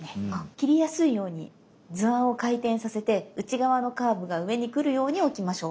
切りやすいように図案を回転させて内側のカーブが上に来るように置きましょう。